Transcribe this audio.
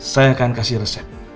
saya akan kasih resep